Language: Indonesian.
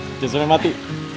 jangan sampai mati